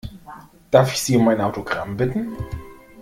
Darf ich Sie um ein Autogramm bitten?